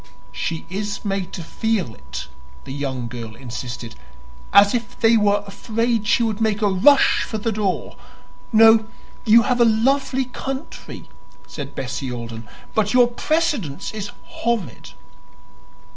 "She is made to feel it," the young girl insisted "as if they were afraid she would make a rush for the door. No; you have a lovely country," said Bessie Alden, "but your precedence is horrid."